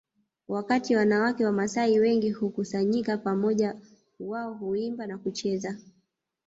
Wakati wanawake wamasai wengi hukusanyika pamoja wao huimba na kucheza